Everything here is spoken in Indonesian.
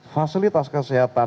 fasilitas kesehatan empat belas